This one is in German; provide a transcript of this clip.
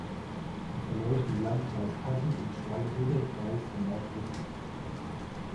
Sie verläuft im Landkreis Kassel und im Schwalm-Eder-Kreis in Nordhessen.